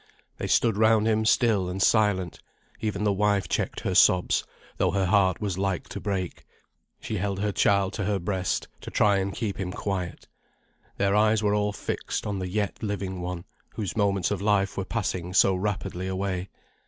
They stood round him still and silent; even the wife checked her sobs, though her heart was like to break. She held her child to her breast, to try and keep him quiet. Their eyes were all fixed on the yet living one, whose moments of life were passing so rapidly away.